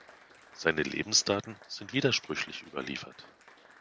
Seine Lebensdaten sind widersprüchlich überliefert.